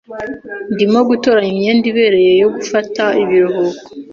Ndimo gutoranya imyenda ibereye yo gufata ibiruhuko.